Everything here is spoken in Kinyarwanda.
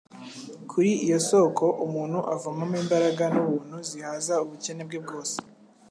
Kuri iyo soko umuntu avomamo imbaraga n'ubuntu zihaza ubukene bwe bwose.